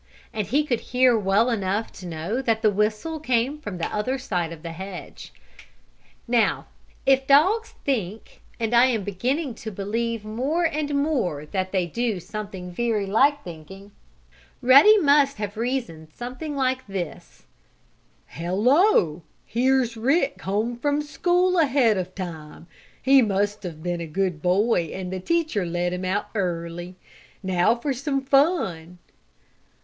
And he could hear well enough to know that the whistle came from the other side of the hedge. Now if dogs think, and I am beginning to believe more and more that they do something very like thinking, Ruddy must have reasoned something like this: "Hello! Here's Rick home from school ahead of time! He must have been a good boy and the teacher let him out early. Now for some fun!"